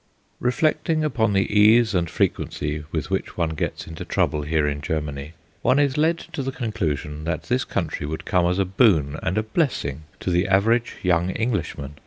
Reflecting upon the case and frequency with which one gets into trouble here in Germany, one is led to the conclusion that this country would come as a boon and a blessing to the average young Englishman.